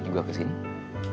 iya juga kesini